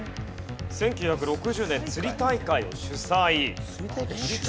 １９６０年釣り大会主催？